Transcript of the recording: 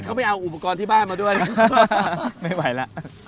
เขาไปเอาอุปกรณ์ที่บ้านมาด้วยไม่ไหวแล้ว